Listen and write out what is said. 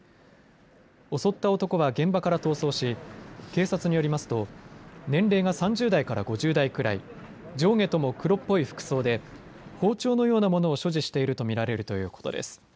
襲った男は現場から逃走し警察によりますと年齢が３０代から５０代くらい、上下とも黒っぽい服装で包丁のようなものを所持していると見られるということです。